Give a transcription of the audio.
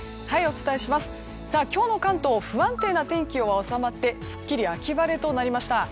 今日の関東不安定な天気は収まってすっきり秋晴れとなりました。